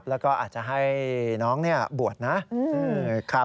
แล้วก็อาจจะให้น้องบวชนะ